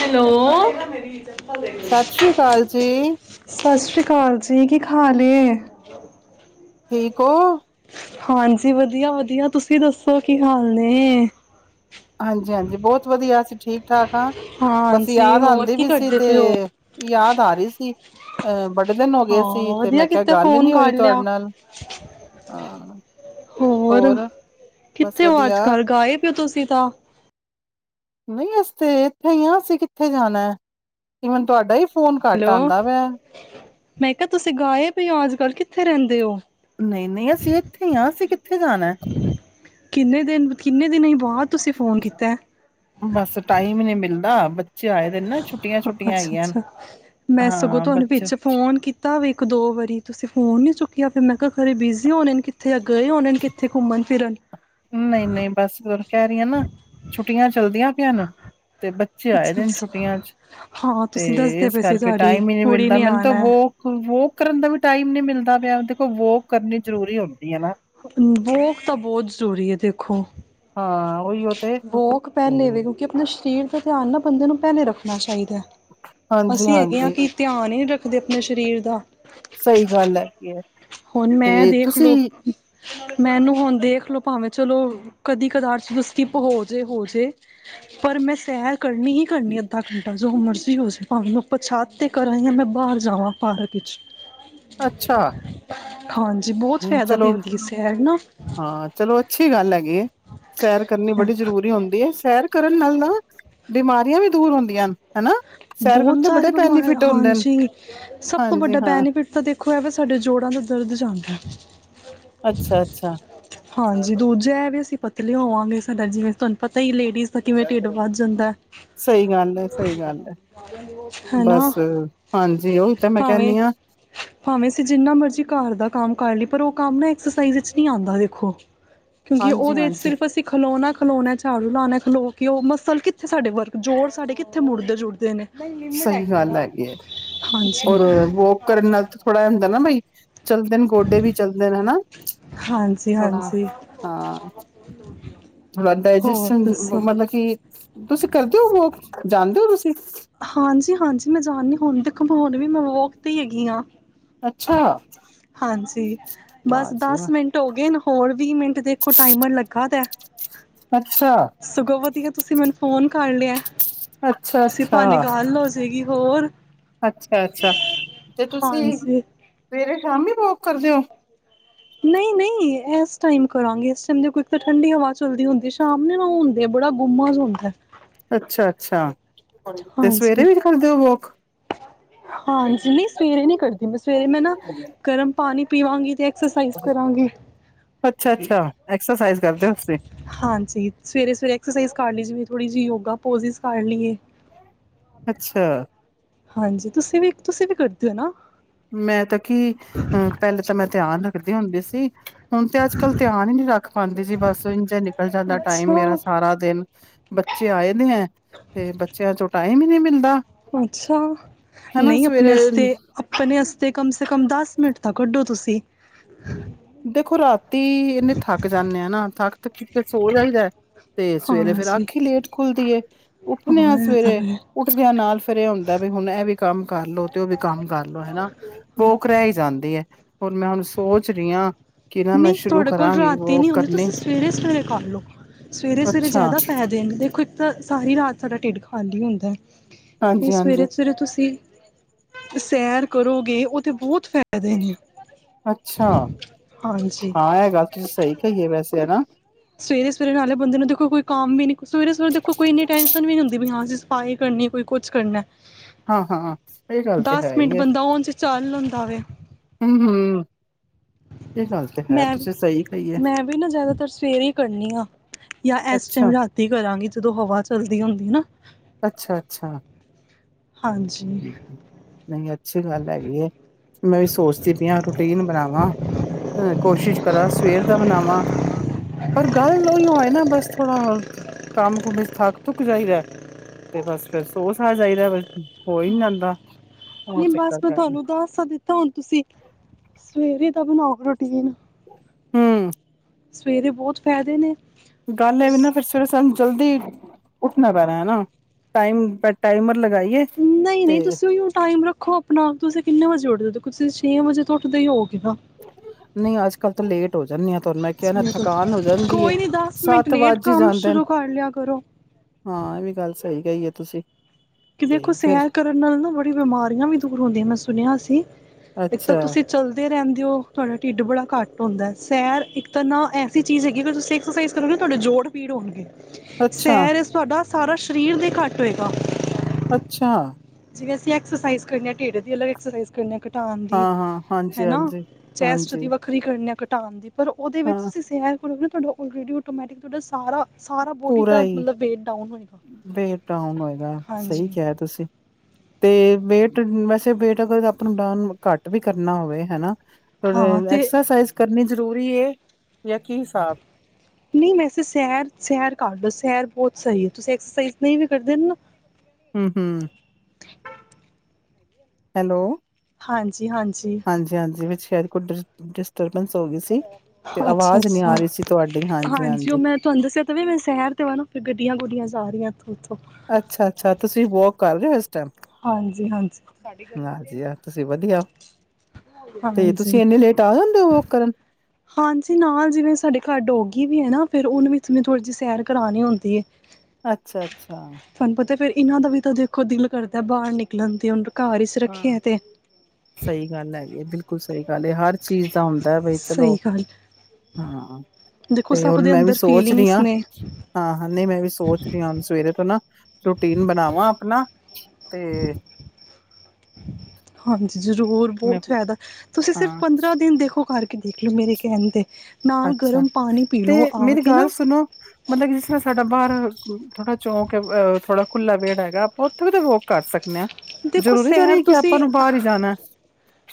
Hello ਸਤਿ ਸ੍ਰੀ ਅਕਾਲ ਜੀ, ਸਤਿ ਸ਼੍ਰੀ ਅਕਾਲ ਜੀ ਕੀ ਹਾਲ ਹੈ ਠੀਕ ਓ। ਹਾਂਜੀ, ਵਧੀਆ, ਵਧੀਆ ਤੁਸੀਂ ਦੱਸੋ ਕੀ ਹਾਲ ਨੇ। ਹਾਂਜੀ, ਹਾਂਜੀ ਬਹੁਤ ਵਧੀਆ ਅਸੀਂ ਠੀਕ ਠਾਕ ਆਂ। ਬਸ ਹਾਂਜੀ ਯਾਦ ਹੋਰ ਆਂਦੀ ਕੀ ਪੀ ਸੀ ਕਰਦੇ ਤੇ ਪਏ ਹੋ? ਯਾਦ ਆ ਰਹੀ ਸੀ। ਅ ਬਟ ਬਣੇ ਦਿਨ ਹੋ ਗਏ ਸੀ ਹਾਂ ਤੇ ਵਧੀਆ ਮੈਂ ਕਿਹਾ ਕੀਤਾ ਗੱਲ ਹੀ ਫੋਨ ਨੀ ਕਰ ਹੋਈ ਲਿਆ। ਤੁਹਾਡੇ ਨਾਲ ਹਾਂ। ਹੋਰ, ਬਸ ਕਿੱਥੇ ਓ ਅੱਜ ਵਧੀਆ ਕੱਲ੍ਹ, ਗਾਇਬ ਈ ਓ ਤੁਸੀਂ ਤਾਂ। ਨਹੀਂ ਅਸੀ ਤੇ ਇੱਥੇ ਈ ਆਂ, ਅਸੀਂ ਕਿੱਥੇ ਜਾਨਾਏ। ਕੀ ਹੁਨ ਤੁਹਾਡਾ ਈ ਫੋਨ ਘੱਟ ਹੈਲੋ ਆਂਦਾ ਵੈਆ। ਮੈਂ ਕਿਹਾ ਤੁਸੀਂ ਗਾਇਬ ਈ ਓ ਅੱਜ ਕੱਲ੍ਹ, ਕਿੱਥੇ ਰਹਿੰਦੇ ਓ? ਨਹੀਂ, ਨਹੀਂ ਅਸੀਂ ਇੱਥੇ ਆਂ, ਅਸੀਂ ਕਿਥੇ ਕਿੱਥੇ ਜਾਨਾਏ। ਕਿੰਨੇ ਦਿਨ ਕਿੰਨੇ ਦਿਨ ਈ ਬਸ ਟਾਈਮ ਈ ਨਈ ਮਿਲਦਾ। ਬੱਚੇ ਆਏ ਦੇ ਨੇ ਨਾ ਛੁੱਟੀਆਂ-ਛੁੱਟੀਆਂ ਅੱਛਾ, ਹੈਗੀਆਂ। ਨੇ। ਅੱਛਾ ਮੈਂ ਸਗੋਂ ਹਾਂ ਤੁਹਾਨੂੰ ਬੱਚੇ ਵਿੱਚ ਫੋਨ ਕੀਤਾ ਵੀ ਇੱਕ ਦੋ ਵਾਰੀ ਤੁਸੀਂ ਫੋਨ ਨਹੀ ਚੁੱਕ ਯਾ ਫੇਰ ਮੈਂ ਕਿਹਾ ਖਰੇ ਬਿਜ਼ੀ ਹੋਨੇ ਨੇ ਕਿੱਥੇ ਯਾ ਗਏ ਹੋਨੇ ਨੇ ਕਿੱਥੇ ਘੁੰਮਨ ਫਿਰਨ। ਨਹੀਂ, ਨਹੀਂ ਬਸ [unintelligible] ਕਹਿ ਰਹੀਆਂ ਨਾ, ਛੁੱਟੀਆਂ ਚੱਲਦੀਆਂ ਪਿਆ ਨ ਤੇ ਬ ਬੱਚੇ ਆਏ ਅੱਛਾ ਦੇ ਨੇ ਅੱਛਾ ਛੁੱਟੀਆਂ ਚ ਹਾਂ ਤੇ ਤੁਸੀਂ ਦੱਸਦੇ ਇਸ ਪਏ ਸੀ ਕਰਕੇ ਤੁਹਾਡੀ ਟਾਈਮ ਈ ਨਈ ਕੁੜੀ ਮਿਲਦਾ ਨੇ ਮੈਨੂੰ ਤਾਂ ਆਣਾ ਵੋਕ ਵੋਕ ਕਰਨ ਦਾ ਵੀ ਟਾਈਮ ਨੀ ਮਿਲਦਾ ਪਿਆ ਦੇਖੋ ਵੋਕ ਕਰਨੀ ਜ਼ਰੂਰੀ ਹੁੰਦੀ ਏ ਨਾ। ਵੋਕ ਤਾਂ ਬਹੁਤ ਜ਼ਰੂਰੀ ਏ ਦੇਖੋ। ਹਾਂ ਉਹੀਓ ਤੇ ਵੋਕ ਤੇ ਪਹਿਲੇ ਵੇ ਕਿਉਂਕਿ ਆਪਣਾ ਸ਼ਰੀਰ ਧਿਆਨ ਨਾ ਬੰਦੇ ਨੂੰ ਪਹਿਲੇ ਰੱਖਣਾ ਚਾਹੀ ਹਾਂਜੀ ਅਸੀਂ ਹੈਗੇ ਆਂ ਹਾਂਜੀ ਕੀ ਧਿਆਨ ਈ ਨੀ ਰੱਖ ਦੇ ਆਪਣੇ ਸਰੀਰ ਦਾ ਸਹੀ ਗੱਲ ਹੈਗੀ ਏ ਹੁਣ ਮੈਂ ਤੇ ਦੇਖ ਲਓ ਤੁਸੀਂ ਮੈਨੂੰ ਹੁਣ ਦੇਖਲੋ ਭਾਵੇਂ ਚਲੋ ਕਦੀ ਕਦਾਰ ਚ ਸਕਿਪ ਹੋ ਜਾਏ ਹੋ ਜਾਏ ਪਰ ਮੈਂ ਸੈਰ ਕਰਨੀ ਹੀ ਕਰਨੀ ਅੱਧਾ ਘੰਟਾ ਜੋ ਮਰਜ਼ੀ ਹੋਜੇ ਭਾਵੇਂ ਮੈਂ ਓਪਰ ਛਤ ਤੇ ਕਰਾਂ ਯਾ ਮੈਂ ਬਾਹਰ ਜਾਵਾਂ ਪਾਰਕ ਵਿੱਚ। ਅੱਛਾ। ਹਾਂਜੀ ਬੋਤ ਨਹੀਂ ਫਾਇਦਾ ਚਲੋ ਦਿੰਦੀ ਹੈ ਸੈਰ ਨਾ ਹਾਂ ਚਲੋ ਅੱਛੀ ਗੱਲ ਹੈਗੀ ਏ ਸੈਰ ਕਰਨੀ ਬੜੀ ਜ਼ਰੂਰੀ ਹੁੰਦੀ ਏ। ਸੈਰ ਕਰਨ ਨਾਲ ਨਾ ਬਿਮਾਰੀਆਂ ਵੀ ਦੂਰ ਹੁੰਦੀਆਂ ਅਨ। ਹੈਨਾ। ਬਹੁਤ ਸਾਰੇ ਬਿਮਾਰ ਹਾਂਜੀ ਸਭ ਤੋਂ ਹਾਂਜੀ ਵੱਡਾ ਹਾਂ ਬੈਨੀਫਿਟ ਤਾਂ ਦੇਖੋ ਏ ਵੇ ਸਾਡੇ ਜੋੜਾਂ ਦਾ ਦਰਦ ਜਾਂਦਾ ਏ। ਅੱਛਾ ਅੱਛਾ ਸੈਰ ਹਾਂਜੀ ਕਰੋ ਦੂਜਾ ਐਵੇ ਅਸੀਂ ਪ ਲੇ ਹੋਵਾਂਗੇ ਸਾਡਾ ਜਿਵੇਂ ਤੁਹਾਨੂੰ ਪਤਾ ਹੀ ਲੇਡੀਜ਼ ਦਾ ਕਿਵੇਂ ਢਿੱਡ ਵੱਧ ਜਾਂਦਾ ਸਹੀ ਗੱਲ ਹੈ ਸਹੀ ਗੱਲ ਹੈ ਹੈ ਨਾ ਬਸ ਹਾਂਜੀ ਉਹੀ ਤਾਂ ਮੈਂ ਭਾਵੇਂ ਕਹਿੰਦੀ ਹਾਂ ਭਾਵੇਂ ਅਸੀਂ ਜਿੰਨਾ ਮਰਜੀੀ ਘਰ ਦਾ ਕੰਮ ਕਰ ਲਈ ਪਰ ਉਹ ਕੰਮ ਨਾ ਐਕਸਰਸਾਈਜ਼ ਵਿੱਚ ਨਹੀਂੀ ਆਉਂਦਾ ਦੇਖੋ ਕਿਉਂਕਿ ਹਾਂਜੀ ਉਹਦੇ ਚ ਹਾਂਜੀ ਸਿਰਫ ਅਸੀਂ ਖਲੋਣਾ ਖਲੋਣਾ ਝਾੜੂ ਲਾਉਣਾ ਖਲੋ ਕੇ ਉਹ ਮਸਲ ਕਿੱਥੇ ਸਾਡੇ ਵਰਗ ਜੋਰ ਸਾਡੇ ਕਿੱਥੇ ਮੁੜਦੇ ਜੁੜਦੇ ਨੇ [unintelligible] ਰ ਵੋਕ ਕਰਨ ਨਾਲ ਤਾਂ ਥੋੜ੍ਹਾ ਹੁੰਦਾ [unintelligible] ਚਲਦੇ ਨੇ ਗੋਡੇ ਵੀ ਚੱਲਦੇ ਨੇ ਹਨਾ ਹਾਂਜੀ ਥੋੜਾ ਹਾਂਜੀ ਹਾਂ ਥੋੜਾ ਹੋਰ ਡਾਇਜਸ਼ਨ ਦੱਸੋ ਮਤਲਬ ਕਿ ਤੁਸੀਂ ਕਰਦੇ ਹੋ ਵੋ ਜਾਣਦੇ ਹੋ ਤੁਸੀਂ ਹਾਂਜੀ ਹਾਂਜੀ ਮੈਂ ਜਾਦੀ ਹੁਣ ਘਮਉਣ ਵੀ ਮੈਂ ਵਕ ਤੇ ਹੀ ਹੈਗੀ ਹਾਂ ਅੱਛਾ ਹਾਂਜੀ ਵਾਹ ਬਸ ਜੀ ਦਸ ਵਾਹ ਮਿੰਟ ਹੋ ਗਏ ਨਾ ਹੋਰ ਵੀਹ ਮਿੰਟ ਦੇਖੋ ਟਾਈਮਰ ਲੱਗਾ ਦਾ ਐੱਚ ਸੀ ਸਗੋਂ ਵਧੀਆ ਤੁਸੀਂ ਮੈਨੂੰ ਫੋਨ ਕਰ ਲਿਆ ਅੱਛਾ ਇਸੀ ਅੱਛਾ ਬਹਾਨੇ ਗੱਲ ਹੋ ਜਾਏਗੀ ਹੋਰ ਅੱਛਾ ਅੱਛਾ ਤੇ ਤੁਸੀਂ ਹਾਂਜੀ ਸਵੇਰੇ ਸ਼ਾਮੀ ਬ ਕਰਦੇ ਹੋ ਨਹੀਂ ਨਹੀਂ ਇਸ ਟਾਈਮ ਕਰਾਂਗੇ ਇਸ ਟਾਈਮ ਕੋ ਤਾਂ ਠੰਡੀ ਹਵਾ ਚੱਲਦੀ ਹੁੰਦੀ ਸ਼ਾਮ ਨੇ ਨਾ ਹੁੰਦੇ ਬੜਾ ਗੁਮਾ ਹੁੰਦਾ ਅੱਛਾ ਅੱਛਾ ਤੇ ਹਾਂਜੀ, ਸਵੇਰੇ ਵੀ ਕਰਦੇ ਹੋ ਵੋਕ ਹਾਂਜੀ ਨਹੀਂ ਸਵੇਰੇ ਨੀ ਕਰਦੀ ਮੈਂ ਸਵੇਰੇ ਮੈਂ ਨਾ ਗਰਮ ਪਾਣੀ ਪੀਵਾਂਗੀ ਤੇ ਐਕਸਰਸਾਈਜ਼ ਕਰਾਂਗੇ ਅੱਛਾ-ਅੱਛਾ ਐਕਸਰਸਾਈਜ਼ ਕਰਦੇ ਹੋ ਤੁਸੀਂ ਹਾਂਜੀ ਸਵੇਰੇ ਸਵੇਰੇ ਐਕਸਰਸਾਈਜ਼ ਕਰ ਲਈ ਜ ਥੋੜ੍ਹੀ ਜਿਹੀ ਯੋਗਾ ਪੋਜਿਸ ਕਰ ਲਈਏ ਅੱਛਾ ਹਾਂਜੀ ਤੁਸੀਂ ਵੀ ਤੁਸੀਂ ਵੀ ਕਰਦੇ [unintelligible] ਮੈਂ ਤਾਂ ਕੀ ਅ ਪਹਿਲੇ ਤਾਂ ਮੈਂ ਧਿਆਨ ਰਗਦੀ ਹੁੰਦੀ ਸੀ ਹੁਣ ਤੇ ਅੱਜ ਕੱਲ ਧਿਆਨ ਹੀ ਨੀ ਰੱਖ ਪਾਉਂਦੀ ਸੀ ਬਸ ਇੰਝ ਨਿਕਲ ਜਾਂਦਾ ਟਾਈਮ ਮੇਰਾ ਅੱਛਾ-ਅੱਛਾ। ਸਾਰਾ ਦਿਨ ਬੱਚੇ ਆਏ ਨੇ ਹੈ ਤੇ ਬੱਚਿਆਂ ਚੋਂ ਟਾਈਮ ਹੀ ਨਹੀਂ ਮਿਲਦਾ ਅੱਛਾ ਹਨਾ ਨਹੀਂ ਆਪਣੇਸ ਸਵੇਰੇ ਆਪਣੇ ਵਾਸਤੇ ਕਮ ਸੇ ਕਮ ਦਸ ਮਿੰਟ ਦਾ ਕੱਢੋ ਤੁਸੀਂ ਦੇਖੋ ਰਾਤ ਤੀ ਇਹਨੇ ਥੱਕ ਜਾਂਦੇ ਆ ਨਾ ਥੱਕ ਕਿਟ ਸ ਹੋ ਜਾਹੀਦਾ ਹੈ ਤੇ ਸਵੇਰੇ ਫੇਰ ਹਾਂਜੀ ਆਖੀ ਲੇਟ ਖੁੱਲਦੀ [unintelligible] ਉੱਠਣੇ ਆ ਹਾਂ ਇਹ ਤਾਂ ਸਵੇਰੇ ਹੈ। ਉੱਠਦੇਿਆਂ ਨਾਲ ਫੇਿਰ ਇਹ ਹੁੰਦਾ ਵੀ ਹੁਣ ਇਹ ਵੀ ਕੰਮ ਕਰਲੋ ਤੇ ਉਹ ਵੀ ਕੰਮ ਕਰ ਲੋ ਹਨਾ ਲੋਕੋ ਰਹਿ ਹੀ ਜਾਂਦੀ ਹੈ ਹੋਰ ਮੈਂ ਹੁਣ ਸੋਚ ਰਹੀ ਹਾਂ ਕਿ ਨਾ ਮੈਂ ਨਹੀਂ ਸ਼ੁਰੂ ਤੁਹਾਡੇ ਕੋਲ ਕਰਾਂਗੀ ਰਾਤ ਹੀ ਨਹੀਂੀ ਵੋਕ ਆਉਦੀ ਕਰਨੀ ਤੁਸੀਂ ਸਵੇਰੇ ਸਵੇਰੇ ਕਰ ਲਓ ਸਵੇਰੇ ਸਵੇਰੇ ਅੱਛਾ ਜ਼ਿਆਦਾ ਫਾਇਦੇ ਨੇ ਦੇਖੋ ਇੱਕ ਤਾਂ ਸਾਰੀ ਰਾਤ ਸਾਡਾ ਢਿੱਡ ਖਾ ਖ ਹੀ ਹੁੰਦਾ ਹੈ ਤੇ ਹਾਂਜੀ ਹਾਂਜੀ। ਸਵੇਰੇ ਸਵੇਰੇ ਤੁਸੀਂ ਸੈਰ ਕਰੋਗੇ ਉਹਦੇ ਬਹੁਤ ਫਾਇਦੇ ਨੇ ਅੱਛਾ ਹਾਂਜੀ ਹਾਂ ਇਹ ਗੱਲ ਤੁਸੀਂ ਸਹੀ ਕਹੀ ਹੈ ਵੈਸੇ ਹਨਾ ਸਵੇਰੇ ਸਵੇਰੇ ਨਾਲੇ ਬੰਦੇ ਨੂੰ ਦੇਖੋ ਕੋਈ ਕੰਮ ਵੀ ਨੀ ਸਵੇਰੇ ਸਵੇਰੇ ਦੇਖੋਈ ਇਨੀ ਟੈਂਸ਼ਨ ਵੀ ਨੀ ਹੁੰਦੀ ਵੀ ਹਾਂਸੀਂ ਸਫਾਈ ਕਰਨੀ ਕੋਈ ਕੁਛ ਕਰਨਾ ਹਾਂ ਹਾਂ ਇਹਹੀ ਗੱਲ ਤਾਂ ਦਸ ਹੈ ਮਿੰਟ ਹੀ ਹੈ ਬੰਦਾ ਉਨ ਚ ਚੱਲ ਲੈਂਦਾ ਵੇ ਇਹ ਗੱਲ ਤੇ ਹੈ ਮੈਂ ਵੀ ਤੁਸੀਂ ਸਹੀ ਕਹੀਏ ਮੈਂ ਵੀ ਨਾ ਜ਼ਿਆਦਾਤਰ ਸਵੇਰੇ ਹੀ ਕਰਨੀ ਹਾਂ ਜਾਂ ਇਸ ਟਾਈਮ ਅੱਛਾ ਰਾਤੀ ਕਰਾਂਗੀ ਜਦੋਂ ਹਵਾ ਚੱਲਦੀ ਹੁੰਦੀ ਨਾ ਅੱਛਾ ਅੱਛਾ ਹਾਂਜੀ ਨਹੀਂ ਅੱਛੀ ਗੱਲ ਹੈਗੀ ਹੈ ਮੈਂ ਵੀ ਸੋਚਦੀ ਪਹੀ ਹ ਰੂਟੀਨ ਬਣਾਵਾਂ ਕੋਸ਼ਿਸ਼ ਕਰਾਂ ਸਵੇਰ ਦਾ ਬਣਾਵਾਂ ਪਰ ਗੱਲ ਉਓਹੀ ਹੋਏ ਨਾ ਬਸ ਥੋੜਾ ਕੰਮ ਕੁਮ ਵਿੱਚ ਥੱਕ ਥੁੱਕ ਜਾਈਦਾ ਤੇ ਬਸ ਫਰ ਸੋਸ ਆ ਜਾਈਦਾ ਬਸ ਹੋ ਹੀ ਨੀ ਜਾਂਦਾ ਉਹ ਨਹੀਂ ਬਸ ਚੱਕਰ ਮੈਂ ਪੈਂਦਾ ਤੁਹਾਨੂੰ ਦੱਸ ਦਿੱਤਾ ਹੁਣ ਤੁਸੀਂ ਸਵੇਰੇ [unintelligible] ਨਾ ਹੂੰ ਸਵੇਰੇ ਬਹੁਤ ਫਾਇਦੇ ਨੇ ਗੱਲ ਇਹ ਵੀ ਨਾ ਫਿਰ ਸਵੇਰੇ ਸਾਨੂੰ ਜਲਦੀ ਉੱਠਣਾ ਪੈ ਰਿਹਾ ਹੈ ਨਾ ਟਮ ਟਾਈਮਰ ਲ ਨਹੀਂ ਨਹੀਂ ਤੁਸੀਂ ਉ ਟਾਈਮ ਰੱਖੋ ਆਪਣਾ ਆਪ ਤੁਸੀਂ ਕਿੰਨੇ ਵਜੇ ਜੋੜਦੇ ਤੁਸੀਂ ਛੇ ਵਜੇ ਤੋਂ ਉੱਠਦੇ ਹੀ ਹੋ ਨਹੀਂ ਅੱਜ ਕੱਲ ਤਾਂ ਲੇਟ ਹੋ ਜਾਂਦੇ ਆ ਤੁਹਾਨੂੰ ਮੈਂ ਕਿਹਾ ਸਵੇਰ ਤੋਂ ਥਕਾਨ ਹੋ ਜਾਂਦੀ ਕੋਈ ਨਹੀਂ ਮਿੰਟ ਸੱਤ ਲੇਟ ਵੱਜ ਹੀ ਕੰਮ ਜਾਂਦੇ ਨੇ ਸ਼ੁਰੂ ਕਰ ਲਿਆ ਕਰੋ ਹਾਂ ਇਹ ਵੀ ਗੱਲ ਸਹੀ [unintelligible] ਤੁਸੀਂ ਕਿ ਤੇ ਦੇਖੋ ਫੇਰ ਸੈਰ ਕਰਨ ਨਾਲ ਨਾ ਬੜੀ ਬਿਮਾਰੀਆਂ ਵੀ ਦੂਰ ਹੁੰਦੀਆਂ ਮ ਸੁਣਿਆ ਸੀ ਇੱਕ ਤਾਂ ਅੱਛਾ ਤੁਸੀਂ ਚਲਦੇ ਰਹਿੰਦੇ ਅਤੇ ਉਹ ਤੁਹਾਡਾ ਢਿੱਡ ਬੜਾ ਘੱਟ ਹੁੰਦਾ ਸੈਰ ਇੱਕ ਤਾਂ ਨਾ ਐਸੀ ਚੀਜ਼ ਹੈਗੀ ਅਗਰ ਤੁਸੀਂ ਐਕਸਰਸਾਈਜ਼ ਕਰੋਗੇ ਤੁਹਾਡੇ ਜੋੜ ਪੀੜ ਹੋਣਗੇ ਅੱਛਾ ਸਰ ਤੁਹਾਡਾ ਸਾਰਾ ਸਰੀਰ ਦੇ ਘੱਟ ਹੋਏਗਾ ਅੱਛਾ ਜਿਵੇ ਅਸੀਂਕਸਰਸਾਈਜ਼ ਕਰਨ ਹਾਂ ਢਿੱਡ ਅੱ ਐਸਜ਼ ਕਰਾਂ ਟ ਦੀ ਹਾਂ-ਹਾਂ, ਹਨਾ ਹਾਂਜੀ-ਹਾਂਜੀ, ਚੈਸਟ ਹਾਂਜੀ, ਹਾਂਜੀ ਦੀ ਵੱਖਰੀ ਕਰਨ ਆ ਕ [unintelligible] ਪਰ ਉਹਦੇ ਵਿੱਚ ਹਾਂਜੀ ਹਾਂ ਤੁਸੀਂ ਸੈਰ ਕਰੋ ਤੁਹਾਡਾ ਲਰੇਡੀ ਆਟੋਮੈਟਿਕ ਤੁਹਾਡਾਾਰਾ ਪੂਰਾ ਹੀ ਵੇਟ ਡਾਨ ਹੋਏਗਾ ਸਹੀ ਹਾਂਜੀ ਕਿਹਾ ਤੁਸੀਂ ਤੇ ਵੇਟ ਵੈਸੇ ਵੇਟ ਅਗ ਆਪ ਨੂੰ ਡਨ ਘੱਟ ਵੀ ਕਰਨਾ ਹੋਵੇ ਹਨਾ ੜ ਹਾਂ ਤੇ ਐਕਸਰਸਾਈਜ਼ ਕਰਨੀ ਜ਼ਰੂਰੀ ਯ ਕੀ ਹਿਸਾਬ ਨਹੀਂ ਵੈਸੇ ਸੈਰ ਸੈਰ ਕਰ ਲਓ ਸੈਰ ਬਹੁਤ ਸਹੀ ਹੈ ਤੁਸੀਂ ਐਕਸਰਸਾਈਜ਼ ਨਹੀਂ ਵੀ ਕਰਦੇ ਨਾ ਹਮ ਹਮ ਹੈਲੋ ਹਾਂਜੀ ਹਾਂਜੀ ਹਾਂਜੀ ਵਿੱਚ ਸ਼ਾਇਦ ਕੁਡ ਜਿਸ ਤ ਅੱਛਾ ਅੱਛਾ ਆ ਰਹੀ ਸੀ ਤੁਹਾਡੀ ਹਾਂਜੀ ਉਹ ਹਾਂਜੀ-ਹਾਂਜੀ। ਮੈਂ ਤੁਹਾਨੂੰ ਦੱਸਿਆ ਤਵੇ ਮੈਂ ਸ਼ਹਿਰ ਤੇ ਵਾਂ ਨਾ ਫਿਰ ਗੱਡੀਆਂ ਗੁੱਡੀਆਂ ਸਾਰੀਆਂ ਥ ਅੱਛਾ ਅੱਛਾ ਤੁਸੀਂ ਵੋਕ ਕਰ ਰਹੇ ਹੋ ਹਾਂਜੀ ਹਾਂਜੀ ਹਜੀ ਆ ਤੁਸੀਂ ਵਧੀਆ ਤੇ ਤੁਸੀਂ ਹਾਂਜੀ ਇੰਨੇ ਲੇਟ ਆ ਜਾਂਦੇ ਹੋ ਕਰਨ ਹਾਂਜੀ ਨਾ ਜਿਵੇਂ ਸਾਡੇ ਘਰ ਡੋਗੀ ਵੀ ਹੈ ਨਾ ਫ਼ਿਰ ਉਹਨੂੰ ਵੀ ਥੋੜੀ ਜਿਹੀ ਸੈਰ ਕਰਾਉਣੀ ਆੁੰਂਦੀ ਹੈ ਅੱਛਾ ਅੱਛਾ ਅਤੇ ਫਿਰ ਇਹਨਾਂ ਦਾ ਵੀ ਤਾਂ ਦੇਖੋ ਦਿਲ ਕਰਦਾ ਬਾਹਰ ਨਿਕਲਣ ਦੀ ਹਾਂ ਸਹੀ ਗੱਲ ਹੈਗੀ ਹੈ ਬਿਲਕੁਲ ਸਹੀ ਗੱਲ ਹੈ ਹਰ ਹਰ ਚੀਜ਼ ਦਾ ਹੁੰਦਾ ਬ ਚਲੋ ਸਹੀ ਗੱਲ ਹਾਂ ਦੇਖੋ ਤੇ ਸਭ ਹੁਣ ਦੇ ਮੈਂ ਵੀ ਅੰਦਰ ਸੋਚ ਰਹੀ ਫੀਲਿੰਗਸ ਹਾਂ ਨੇ ਹਾਂ ਨਹੀਂ ਮੈਂ ਵੀ ਸੋਚ ਰਹੀ ਹ ਹੁਣ ਸਵੇਰੇ ਤੋਂ ਨਾ ਰੂਟੀਨ ਬਣਾਵਾਂ ਆਪਣਾ ਤੇ ਹਾਂਜੀ ਜ਼ਰੂਰ ਮੈਂ ਬਹੁਤ ਫ਼ਾਇਦਾ ਤੁਸੀਂ ਸਿਰਫ ਹਾਂ ਪੰਦਰਾਂ ਦਿਨ ਦੇਖੋ ਕਰ ਦੇਖਲ ਮੇਰੇ ਕਹਿਣ ਤੇ ਨਾਲ ਅੱਛਾ ਗਰਮ ਪਾਣੀ ਪੀ ਤੇ ਲਓ ਆ ਮੇਰੀ ਕੇ ਗੱਲ ਨਾ ਸੁਣੋ ਮਤਲਬ ਜਿਸ ਤਰ੍ਹਾਂ ਸਾਡਾ ਬਾਹਰ ਥੋੜਾ ਚੌਂਕਹ ਥੋੜਾ ਖੁੱਲਾ ਵਿੇਹੜ ਹੈਗਾ ਆਪਾਂ ਉੱਥੇ ਵੀ ਵੋਕ ਕਰ ਸਕਦੇ ਹਾਂ ਦੇਖੋ ਜ਼ਰੂਰੀ ਤਾਂ ਸੈਰ ਨਹੀਂ ਕਿ ਤੁਸੀਂ ਆਪਾਂ ਨੂੰ ਬਾਹਰ ਹੀ ਜਾਣਾ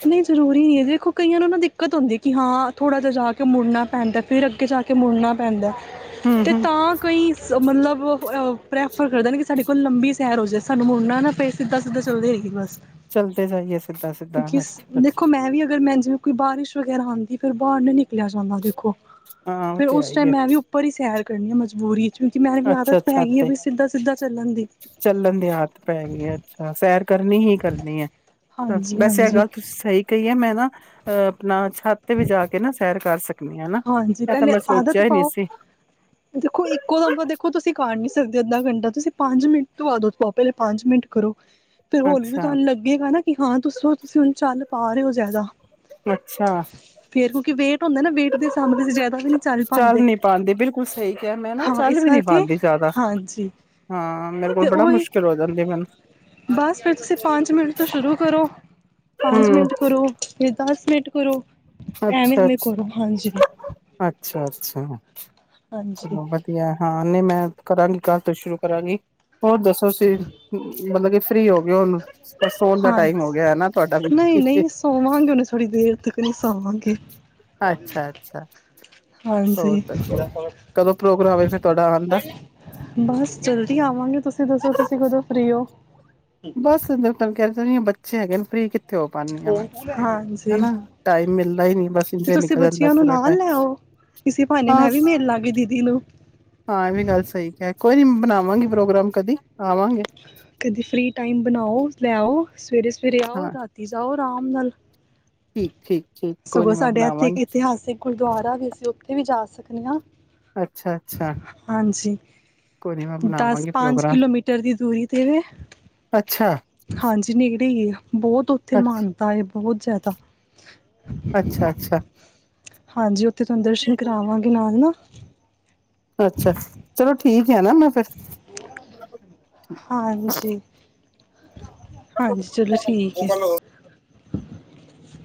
ਨਹੀਂ ਜ਼ਰੂਰੀ ਨਹੀਂ ਦੇਖੋ ਕਈਆਂ ਨੂੰ ਉਹ ਦਿੱਕਤ ਹੁੰਦੀ ਕਿ ਹਾਂ ਥੋੜ੍ਹਾ ਜਿਹਾ ਜਾ ਕੇ ਮੁੜਨਾ ਪੈਂਦਾ ਫਿਰ ਅੱਗੇ ਜਾ ਕੇ ਮੁੜਨਾ ਪੈਂਦਾ ਹਮ ਅਤੇ ਹਮ ਤਾਂ ਕੋਈ ਮਤਲਬ ਪ੍ਰੈਫਰ ਕਰਦਾ ਨਹੀਂ ਕਿ ਸਾਡੇ ਕੋਲ ਲੰਬੀ ਸੈਰ ਹੋ ਜਾਵੇ ਸਾਨੂੰ ਮੁਨਾ ਨਾ ਪੈ ਸਿੱਧਾ ਸਿੱਧਾ ਚੱਲਦੀ ਰਹੀਗੀ ਬਸ ਚਲਦੇ ਜਾਈਏ ਸਿੱਧਾ ਸਿੱਧਾ ਕਿਉਕਿ ਅੱਛਾ ਦੇਖੋ ਅੱਛਾ ਮੈਂ ਵੀ ਅਗਰ ਮੈਂ ਜਿਵੇਂ ਕੋਈ ਬਾਰਿਸ਼ ਵਗੈਰਾ ਆਦੀ ਫਿਰਰ ਬਾਹਰ ਨੀ ਨਿਕਲਿਆ ਜਾਂਦਾ ਦੇਖੋ ਹਾਂ ਉਹ ਫੇਿਰ ਤੇ ਹੈ ਉਸ ਹੀ ਟਾਈਮ ਹੈ ਮੈਂ ਵੀ ਉੱਪਰ ਹੀ ਸਹਿਰ ਕਰਨੀੀਆਂ ਮਜ਼ਬੂਰੀ ਕਿਉਂਕਿ ਮੈਂ ਵੀ ਅੱਛਾ ਆਦਤ ਅੱਛਾ ਹੈਗੀ ਆ ਤੇ ਵੀ ਸਿੱਧਾ ਸਿੱਧਾ ਚੱਲਣ ਦੀ ਚੱਲਣ ਦੀ ਆਦਤ ਪੈ ਗਈੱ ਸੈਰ ਕਰਨੀ ਹੀ ਕਰਨੀ ਹੈ ਹਾਂਜੀ ਵੈਸੇ ਇਹ ਹਾਂਜੀ ਗੱਲ ਤੁਸੀਂ ਸਹੀ ਕਹੀ ਹੈ ਮੈਂ ਅਹ ਆਪਣਾ ਛੱਤ ਤੇ ਵੀ ਜਾ ਕੇ ਨਾ ਸੈਰ ਕਰ ਸਕ ਹਾਂਜੀ ਪਹਿਲੇ ਆਦਤ ਪਾਓ ਸੀ ਦੇਖੋ ਇੱਕੋ ਦਮ ਦੇਖੋ ਤੁਸੀਂ ਕਾਰ ਨ ਸਕਦੇ ਅੱਧਾ ਘੰਟਾ ਤੁਸੀਂ ਪੰਜ ਮਿੰਟ ਤੋਂ ਵਅਦ ਉਥਓ ਪਹਿਲੇ ਪੰਜ ਮਿੰਟ ਕਰੋ ਫੇਿਰ ਹੋਲੀ ਵੀ ਅੱਛਾ ਤੁਹਾਨੂੰ ਲੱਗੇਗਾ ਨਾ ਕਿ ਹਾਂ ਦੱਸੋ ਤੁਸੀਂ ਹੁਣ ਚੱਲ ਪਾ ਰਹੇ ਹੋ ਜ਼ਿਆਦਾ ਅੱਛਾ ਵੇਟ ਹੁੰਦੇ ਨਾ ਸਮ ਤੁਸੀ ਜ਼ਿਆਦਾ ਵੀ ਨਹੀਂੀ ਚੱਲ ਪਾਉਂਦੇ ਨੀ ਪਾਉਂਦੀ ਬਿਲਕੁਲ ਸਹੀ ਕਿਹਾ ਮੈਂ ਨਾ ਹਾਂ ਚੱਲ ਇਸ ਵੀ ਨੀ ਕਰਕੇ ਪਾਉਂਦੀ ਜ਼ਿਆਦਾ ਹਾਂਜੀ ਹਾਂ ਮੇਰੇ ਕੋਲ ਤੇ ਬੜਾ ਉਹੀ ਮੁਸ਼ਕਿਲ ਹੋ ਜਾਂਦੀ ਮੈਨੂੰ ਬਸ ਫਿਰ ਤੁਸੀਂ ਪੰਜ ਮਿੰਟ ਤੋਂ ਸ਼ੁਰੂ ਕਰੋ ਪੰਜ ਹਮ ਮਿੰਟ ਕਰੋ ਫਿਰ ਦਸ ਮਿੰਟ ਕਰੋ ਅੱਛਾ ਐਵੇਂ ਅੱਛਾ ਐਵੇਂ ਕਰੋ ਹਾਂਜੀ ਅੱਛਾ ਅੱਛਾ ਹਾਂਜੀ ਚਲੋ ਵਧੀਆ ਹਾਂ ਨਹੀਂ ਮੈਂ ਕਰਾਂਗੀ ਕੱਲ ਤੋਂ ਸ਼ੁਰੂ ਕਰਾਂਗੀ ਹੋਰ ਦੱਸੋ ਸੀ ਮਤਲਬ ਕਿ ਫਰੀ ਹੋ ਗਨੂੰ ਪਰ ਸੋਣ ਦਾ ਹਾਂ ਟਾਈਮ ਹੋ ਗਿਆ ਨਾ ਤੁਹਾਡਾ ਨਹੀਂ ਨਹੀਂ ਸੋਵਾਂਗੇ ਉਹਨੇ ਥੋੜ੍ਹੀ ਦੇਰ ਤੱਕ ਨਹੀਂ [unintelligible] ਅੱਛਾ ਅੱਛਾ ਹੋਰ ਹਾਂਜੀ ਦੱਸੋ ਕਦੋਂ ਪ੍ਰੋਗਰਾਮ ਹੈ ਫਿਰ ਤੁਹਾਡਾ ਆਉਣ ਦਾ ਬਸ ਜਲਦੀ ਆਵਾਂਗੇ ਤੁਸੀਂ ਦੱਸੋ ਤੁਸੀਂ ਕਦੋਂ ਫ੍ਰਰੀ ਹੋ ਬਸ ਸੁੰਦਰ ਮੂੰ ਕਹਿ ਦੁੰਦੀ ਬੱਚ ਅੱਛਰੀ ਓ ਪਾਦੀ ਆਾਂ ਮੈਂ ਹਾਂਜੀ ਹਨਾ ਟਾਈਮ ਮਿਲਦਾ ਹੀ ਨਹੀਂੀ ਬਸ ਤੇ ਇੰਝੇ ਤੁਸੀਂ ਨਿਕਲ ਜਾਂਦਾ ਬੱਚਿਆਂ ਨੂੰ ਪੂਰਾ ਨਾਲ ਟਾਈਮ ਲੈ ਆਓ ਇਸੇ ਭਾਨੇ ਹਾਂ ਮੈਂ ਵੀ ਮਿਲ ਲਾਂਗੀ ਦੀਦੀ ਨੂੰ ਹਾਂ ਇਹ ਵੀ ਗੱਲ ਸਹੀ ਕ ਕੋਈ ਨੀ ਬਣਾਵਾਂਗੀ ਪ੍ਰੋਗਰਾਮ ਕਦੀ ਆਵਾਂਗੇ ਕਦੇ ਫ੍ਰਰੀ ਟਾਈਮ ਬਣਾਓ ਲੈਓ ਸਵੇਰੇ ਸਵੇਰੇ ਆਓ ਹਾਂ ਰਾਤੀ ਜਾਓ ਆਰਾਮ ਨਾਲ ਠੀਕ ਠੀਕ ਠੀਕ ਕੋਈ ਸਗੋਂ ਨੀ ਮੈਂ ਸਾਡੇ ਇੱਥੇ ਇੱਕ ਬਣਾਵਾਂਗੀ ਇਤਿਹਾਸਿਕ ਗੁਰਦੁਆਰਾ ਵੀ ਅਸੀਂ ਉੱਥੇ ਵੀ ਜਾ ਸਕਦੇ ਹਾਂ ਅੱਛਾ ਅੱਛਾ ਹਾਂਜੀ ਕੋਈ ਨੀ ਮੈਂ ਦਸ ਬਣਾਵਾਂਗੀ ਪੰਜ ਪ੍ਰੋਗਰਾਮ ਕਿਲੋਮੀਟਰ ਦੀ [unintelligible] ਕਿਵੇਂ ਅੱਛਾ ਹਾਂਜੀ ਨੇਗੜੇ ਹੀ ਬਹੁਤ ਉੱਥੇ ਮਾਨਤਾ ਹੈ ਬਹੁਤ ਜ਼ਿਆਦਾ ਅੱਛਾ ਅੱਛਾ ਹਾਂਜੀ ਉ ਤੁਹਾਨੂੰ ਦਰਸ਼ਨ ਕਰਾਵਾਂਗੇ ਨਾਲ ਨਾ ਅੱਛਾ ਚਲੋ ਠੀਕ ਆ ਨਾ ਮੈਂ ਫਿਰ ਹਾਂਜੀ ਹਾਂਜੀ ਚਲੋ ਠੀਕ ਹੈ